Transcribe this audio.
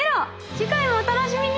次回もお楽しみに！